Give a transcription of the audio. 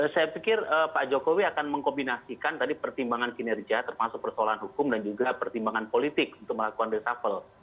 saya pikir pak jokowi akan mengkombinasikan tadi pertimbangan kinerja termasuk persoalan hukum dan juga pertimbangan politik untuk melakukan reshuffle